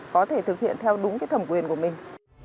có thể thực hiện theo đúng cái thẩm quyền của mình